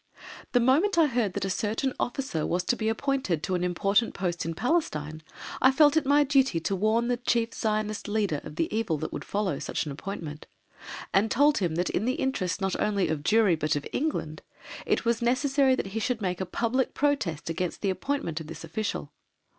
The moment I heard that a certain officer was to be appointed to an important post in Palestine I felt it my duty to warn the Chief Zionist leader of the evil that would follow such an appointment, and told him that in the interests not only of Jewry, but of England, it was necessary that he should make a public protest against the appointment of this official.